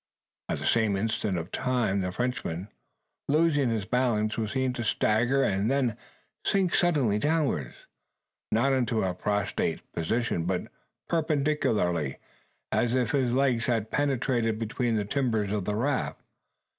At the same instant of time the Frenchman, losing his balance, was seen to stagger, and then sink suddenly downwards; not into a prostrate position, but perpendicularly, as if his legs had penetrated between the timbers of the raft.